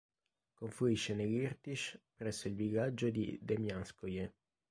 Confluisce nell'Irtyš presso il villaggio di "Dem'janskoe".